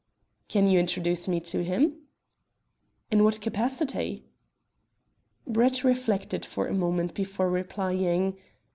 "Can you introduce me to him?" "In what capacity?" Brett reflected for a moment before replying.